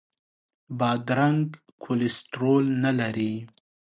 بادرنګ کولیسټرول نه لري.